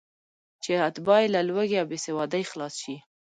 چې اتباع یې له لوږې او بېسوادۍ خلاص شي.